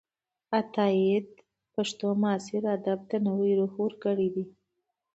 عطاييد پښتو معاصر ادب ته نوې روح ورکړې ده.